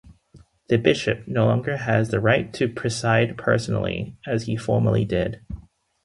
The Bishop no longer has the right to preside personally, as he formerly did.